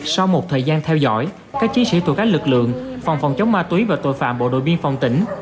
sau một thời gian theo dõi các chiến sĩ thuộc các lực lượng phòng phòng chống ma túy và tội phạm bộ đội biên phòng tỉnh